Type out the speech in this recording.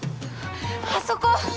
あそこ！